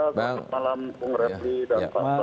selamat malam pak repri dan pak sebastian salang